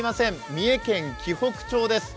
三重県紀北町です。